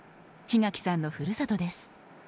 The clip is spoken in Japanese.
檜垣さんのふるさとです。